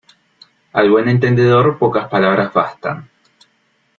Al buen entendedor, pocas palabras bastan.